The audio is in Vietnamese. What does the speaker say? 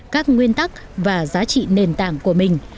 các nguyên tắc và giá trị nền tảng của mình